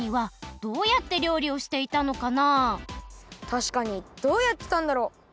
たしかにどうやってたんだろう？